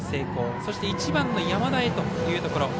そして１番の山田へというところ。